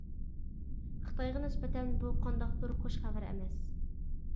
خىتايغا نىسبەتەن، بۇ قانداقتۇر خۇش خەۋەر ئەمەس.